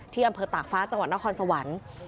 อำเภอตากฟ้าจังหวัดนครสวรรค์